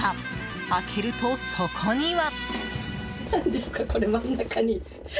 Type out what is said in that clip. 開けると、そこには。